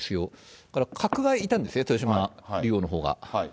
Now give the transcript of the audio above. だから角がいたんですね、豊島竜王のほうが。